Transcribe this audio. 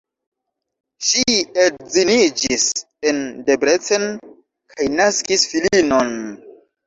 Ŝi edziniĝis en Debrecen kaj naskis filinon.